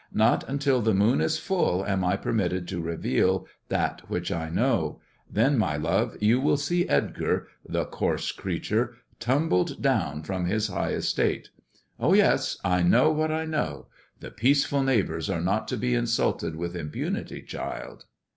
" Not until the moon is full am I permitted to reveal that which I know. Then, my love, you will see Edgar — the coarse creature — tumbled down from his high estate. Oh, yes ; I know what I know. The peaceful neighbours are not to be insulted with impunity, child."